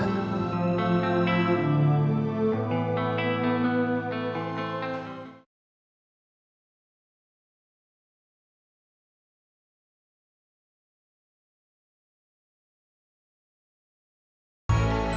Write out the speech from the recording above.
rhy nyuruh pertanyaan